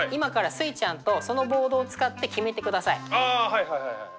あはいはいはいはい。